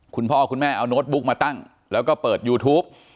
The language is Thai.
คุณพ่อคุณแม่เอาโน้ตบุ๊กมาตั้งแล้วก็เปิดยูทูป